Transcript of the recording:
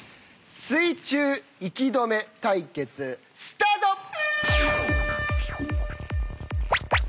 水中息止め対決スタート！